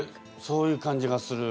そういう感じがする。